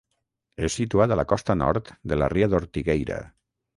És situat a la costa nord de la ria d'Ortigueira.